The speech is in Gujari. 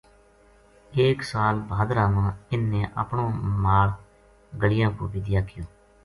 ایک سال بھادرہ ما اِ ن نے اپنو مال گلیاں پو بِدیا کیو